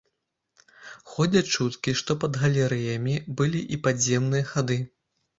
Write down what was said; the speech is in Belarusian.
Ходзяць чуткі, што пад галерэямі былі і падземныя хады.